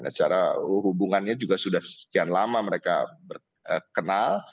nah secara hubungannya juga sudah sekian lama mereka kenal